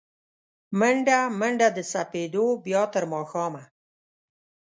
مڼډه، منډه د سپېدو، بیا تر ماښامه